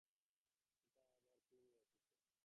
এটা আবার কি নিয়ে এসেছো?